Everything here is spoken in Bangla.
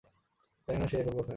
জানি না সে এখন কোথায়?